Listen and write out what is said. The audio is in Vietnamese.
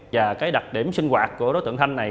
và cái đặc điểm sinh hoạt của đối tượng thanh này